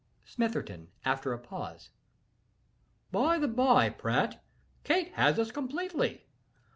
SMITHERTON. (After a pause.) "By the by, Pratt, Kate has us completely.